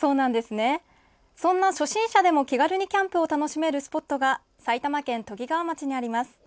そんな初心者でも、気軽にキャンプを楽しめるスポットが埼玉県ときがわ町にあります。